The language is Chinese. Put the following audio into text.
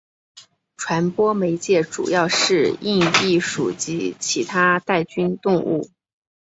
传播媒介主要是硬蜱属及其它带菌动物。